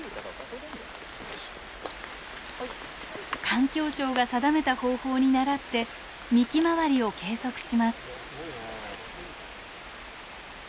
環境省が定めた方法にならって幹周りを計測します。